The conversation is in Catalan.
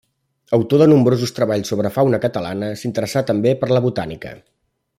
Autor de nombrosos treballs sobre fauna catalana, s'interessà també per la botànica.